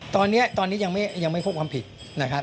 ตอนนี้ยังไม่พบความผิดนะครับ